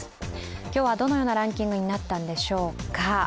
今日はどのようなランキングになったんでしょうか。